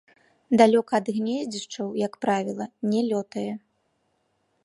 Далёка ад гнездзішчаў, як правіла, не лётае.